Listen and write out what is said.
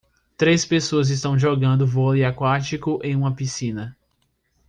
Três pessoas estão jogando vôlei aquático em uma piscina